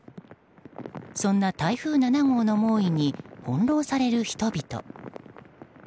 そんな台風７号の猛威に翻弄される人々。